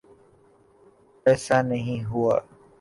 ایسا نہیں ہوا۔